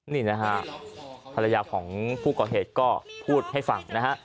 นี่นะฮะภรรยาของผู้ก่อเหตุก็พูดให้ฟังนะฮะ